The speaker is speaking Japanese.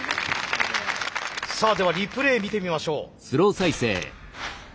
さあではリプレー見てみましょう。